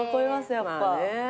やっぱ。